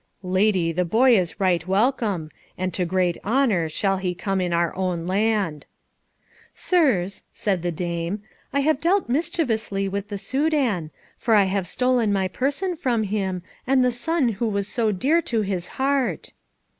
"Lady, the boy is right welcome, and to great honour shall he come in our own land." "Sirs," said the dame, "I have dealt mischievously with the Soudan, for I have stolen my person from him, and the son who was so dear to his heart."